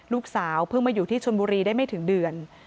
ลูกสาวเพิ่งมาอยู่ที่ชนบุรีได้ไม่ถึงเดือน